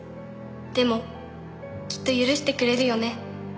「でもきっと許してくれるよね」